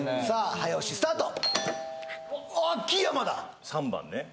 早押しスタート３番ね